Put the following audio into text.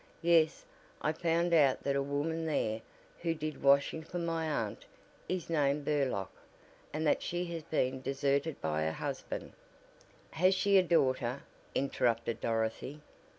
"Yes, I found out that a woman there, who did washing for my aunt, is named Burlock, and that she has been deserted by her husband " "Has she a daughter?" interrupted Dorothy.